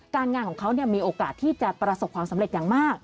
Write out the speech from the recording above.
งานของเขามีโอกาสที่จะประสบความสำเร็จอย่างมาก